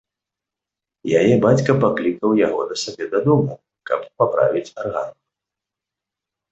Яе бацька паклікаў яго да сябе дадому, каб паправіць арган.